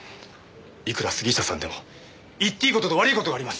いくら杉下さんでも言っていい事と悪い事があります。